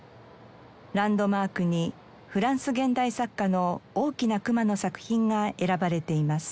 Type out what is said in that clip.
ランドマークにフランス現代作家の大きなクマの作品が選ばれています。